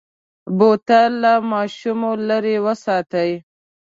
بوتل له ماشومو لرې وساتئ.